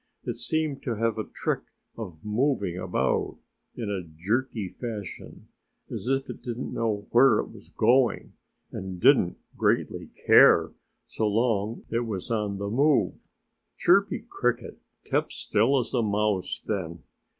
It seemed to have a trick of moving about in a jerky fashion, as if it didn't know where it was going and didn't greatly care, so long as it was on the move. Chirpy Cricket kept still as a mouse then.